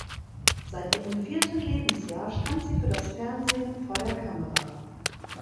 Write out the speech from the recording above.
Seit ihrem vierten Lebensjahr stand sie für das Fernsehen vor der Kamera.